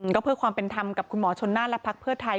ก็เพื่อความเป็นธรรมกับคุณหมอชนน่านและพักเพื่อไทย